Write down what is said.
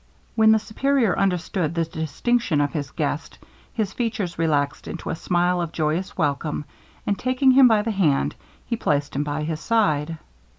When the Superior understood the distinction of his guest, his features relaxed into a smile of joyous welcome; and taking him by the hand, he placed him by his side.